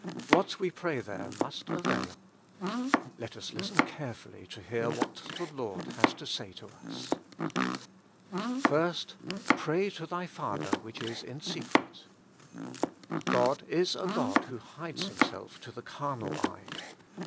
What we pray there must avail. Let us listen care fully to hear what the Lord has to say to us. First, '■'Pray to thy Father which is in secrety God is a God who hides Himself to the carnal eye.